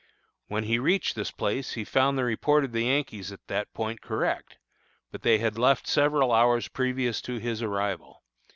When he reached this place he found the report of the Yankees at that point correct, but they had left several hours previous to his arrival.